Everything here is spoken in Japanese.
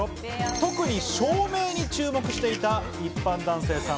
特に照明に注目していた一般男性さん。